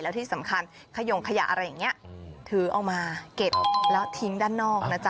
แล้วที่สำคัญขยงขยะอะไรอย่างนี้ถือเอามาเก็บแล้วทิ้งด้านนอกนะจ๊